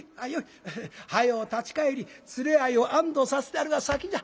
早う立ち帰り連れ合いを安どさせてやるが先じゃ。